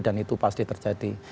dan itu pasti terjadi